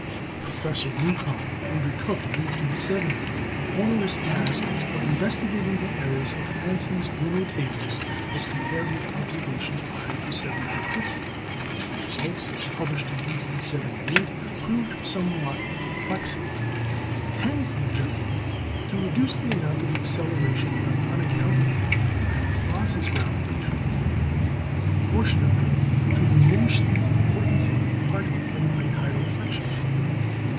Professor Newcomb undertook in 1870 the onerous task of investigating the errors of Hansen's Lunar Tables as compared with observations prior to 1750. The results, published in 1878, proved somewhat perplexing. They tend, in general, to reduce the amount of acceleration left unaccounted for by Laplace's gravitational theory, and proportionately to diminish the importance of the part played by tidal friction.